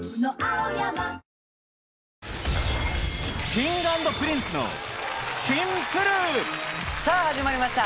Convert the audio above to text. Ｋｉｎｇ＆Ｐｒｉｎｃｅのさぁ始まりました